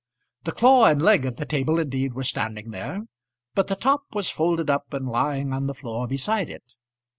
The claw and leg of the table indeed were standing there, but the top was folded up and lying on the floor beside it.